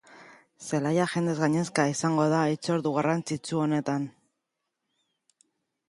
Zelaia jendez gainezka izango da hitzordu garrantzitsu honetan.